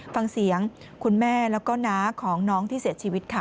ฟังเสียงคุณแม่แล้วก็น้าของน้องที่เสียชีวิตค่ะ